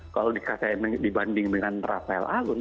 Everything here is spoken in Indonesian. kalau dibanding dengan rafael alun